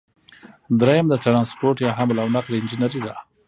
دریم د ټرانسپورټ یا حمل او نقل انجنیری ده.